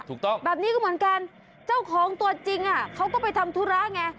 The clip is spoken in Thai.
ถูกต้องแบบนี้ก็เหมือนกันเจ้าของตัวจริงเขาก็ไปทำธุระไง